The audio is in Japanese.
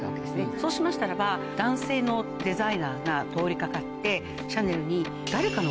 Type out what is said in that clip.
そうしましたらば男性のデザイナーが通り掛かってシャネルに。